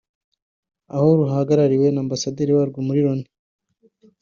aho ruhagarariwe na Ambasaderi warwo muri Loni